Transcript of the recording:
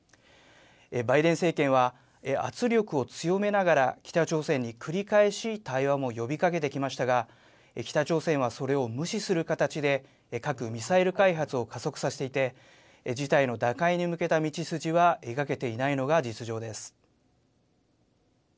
バイデン政権は圧力を強めながら、北朝鮮に繰り返し対話も呼びかけてきましたが、北朝鮮はそれを無視する形で、核・ミサイル開発を加速させていて、事態の打開に向けた道筋は描けていないのが実情です。